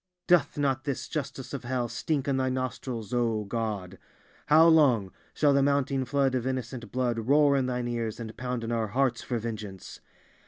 Doth not this justice of hell stink in Thy nostrils, O God? How long shall the mounting flood of innocent blood roar in Thine ears and pound in our hearts for vengeance?